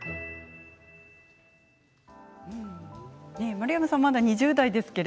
丸山さんはまだ２０代ですが